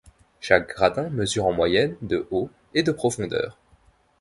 Chaque gradin mesure en moyenne de haut et de profondeur.